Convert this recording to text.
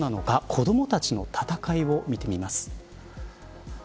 子どもたちの戦いを見てみます。